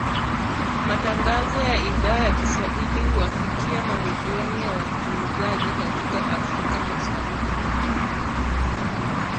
Matangazo ya Idhaa ya Kiswahili huwafikia mamilioni ya wasikilizaji katika Afrika Mashariki na